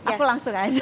aku langsung aja